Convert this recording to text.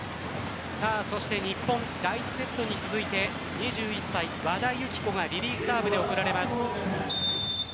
そして日本第１セットに続いて２１歳、和田由紀子がリリーフサーブで送られます。